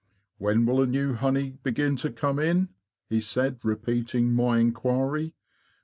'© When will the new honey begin to come in? "' he said, repeating my inquiry.